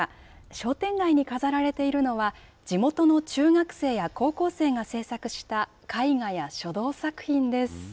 商店街に飾られているのは、地元の中学生や高校生が制作した絵画や書道作品です。